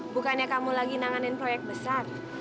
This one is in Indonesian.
bukannya kamu lagi nanganin proyek besar